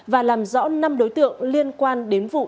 và làm rõ năm đối tượng liên quan đến vụ